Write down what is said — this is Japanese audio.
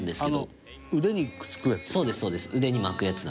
伊達：腕にくっつくやつ？